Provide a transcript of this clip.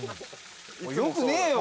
よくねえよ。